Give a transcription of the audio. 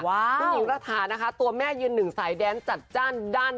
คุณหญิงระถานะคะตัวแม่ยืนหนึ่งสายแดนจัดจ้านด้าน